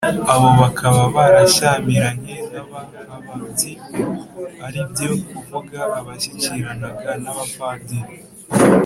abo bakaba barashyamiranye n' "Abahababyi", ari byo kuvuga abashyikiranaga n'Abapadiri